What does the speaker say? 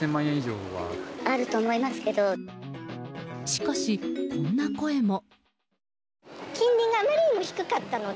しかし、こんな声も。